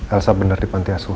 elsa bener di pantai asuh